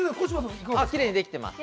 ◆きれいにできてます。